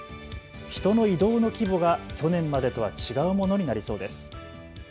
人の移動の規模が去年までとは違うものになりそうです。